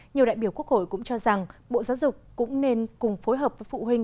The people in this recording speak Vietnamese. nhiều đại biểu quốc hội cũng cho rằng bộ giáo dục cũng nên cùng phối hợp với phụ huynh